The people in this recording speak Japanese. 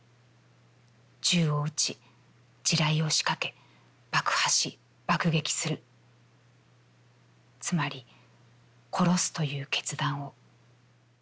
銃を撃ち、地雷をしかけ、爆破し、爆撃するつまり殺すという決断を」。